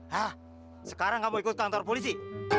hah sekarang kamu ikut kantor polisi